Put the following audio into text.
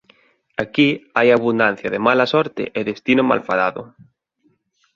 Aquí hai abundancia de mala sorte e destino malfadado.